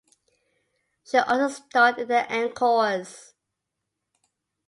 She also starred in the Encores!